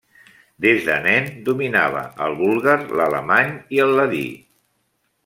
Des de nen, dominava el búlgar, l'alemany i el ladí.